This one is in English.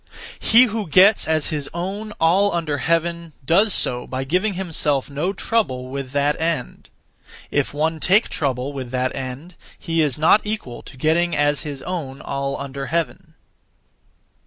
He who gets as his own all under heaven does so by giving himself no trouble (with that end). If one take trouble (with that end), he is not equal to getting as his own all under heaven.